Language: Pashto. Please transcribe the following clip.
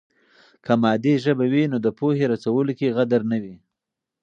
که مادي ژبه وي نو د پوهې رسولو کې غدر نه وي.